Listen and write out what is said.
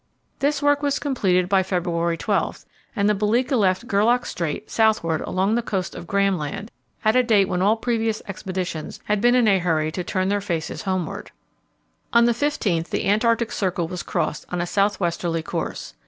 This work was completed by February 12, and the Belgica left Gerlache Strait southward along the coast of Graham Land, at a date when all previous expeditions had been in a hurry to turn their faces homeward. On the 15th the Antarctic Circle was crossed on a south westerly course.